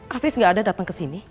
afif gak ada datang kesini